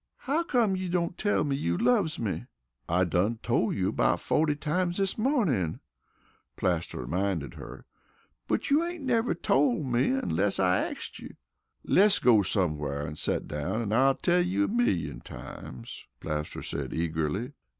"How come you don't tell me you loves me?" "I done tole you 'bout fawty times dis mawnin'," Plaster reminded her. "But you ain't never tole me onless I axed you." "Less go somewhar an' set down an' I'll tell you a millyum times," Plaster said eagerly.